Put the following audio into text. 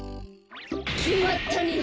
きまったね。